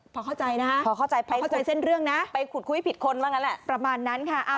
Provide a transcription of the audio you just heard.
พอเข้าใจเส้นเรื่องนะไปขุดคุยผิดคนบ้างนั้นแหละ